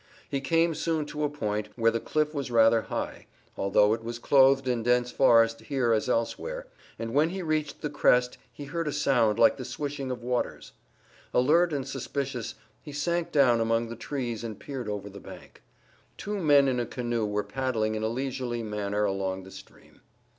He came soon to a point, where the cliff was rather high, although it was clothed in dense forest here as elsewhere, and when he reached the crest he heard a sound like the swishing of waters. Alert and suspicious he sank down among the trees and peered over the bank. Two men in a canoe were paddling in a leisurely manner along the stream.